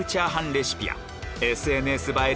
レシピやＳＮＳ映え